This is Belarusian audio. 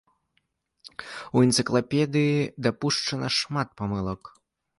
У энцыклапедыі дапушчана шмат памылак.